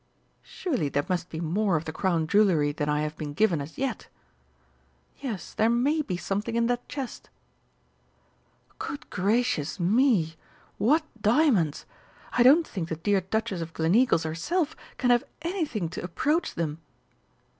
Surely there must be more of the Crown jewellery than I have been given as yet?... Yes, there may be something in that chest.... Good gracious me! What diamonds! I don't think the dear Duchess of Gleneagles herself can have anything to approach them!...